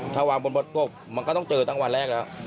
ถ้าวางบนบกมันก็ต้องเจอตั้งวันแรกแล้ว